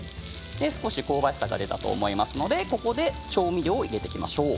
香ばしさが出たと思いますので調味料を入れていきましょう。